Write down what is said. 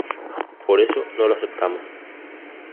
Por eso no lo aceptamos.